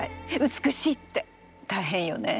美しいって大変よね。